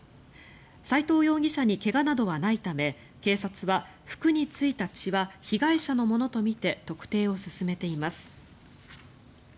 斎藤容疑者に怪我などはないため警察は服についた血は被害者のものとみて特定を進めています。